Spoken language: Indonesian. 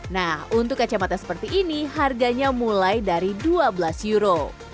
nah untuk kacamata seperti ini harganya mulai dari dua belas euro